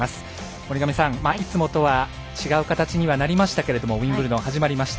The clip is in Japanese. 森上さん、いつもとは違う形にはなりましたけどウィンブルドン始まりました。